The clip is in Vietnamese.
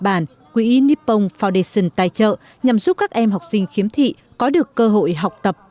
đại sứ quán nhật bản quỹ nippon foundation tài trợ nhằm giúp các em học sinh khiếm thị có được cơ hội học tập